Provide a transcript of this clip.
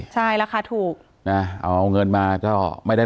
อ๋อเจ้าสีสุข่าวของสิ้นพอได้ด้วย